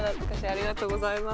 ありがとうございます。